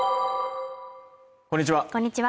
こんにちは